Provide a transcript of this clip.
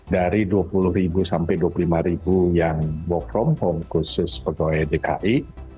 dari dua puluh ribu sampai dua puluh lima ribu yang wfh khusus pegawai dki